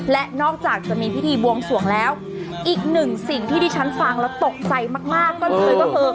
และนอกจากจะมีพิธีบวงสวงแล้วอีกหนึ่งสิ่งที่ที่ฉันฟังแล้วตกใจมากก็เลยก็คือ